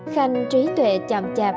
khanh trí tuệ chậm chạp